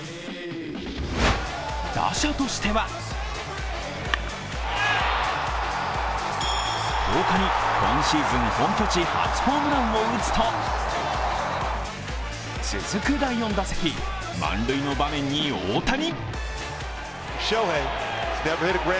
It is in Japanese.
打者としては、１０日に今シーズン本拠地初ホームランを打つと続く第４打席、満塁の場面に大谷。